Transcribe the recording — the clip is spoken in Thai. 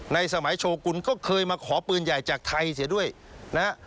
ในสมัยโชกุลก็เคยมาขอปืนใหญ่จากไทยเสียด้วยนะฮะ